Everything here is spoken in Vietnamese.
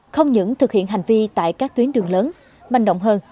không những thực hiện hành vi tại các tuyến đường lớn manh động hơn